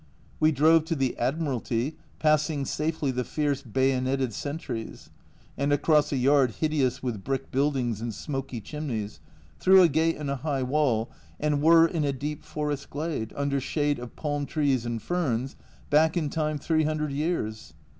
We drove to the Admiralty, passing safely the fierce bayoneted sentries, and across a yard hideous with brick buildings and smoky chimneys through a gate in a high wall, and were in a deep forest glade, under shade of palm trees and ferns, back in time three hundred years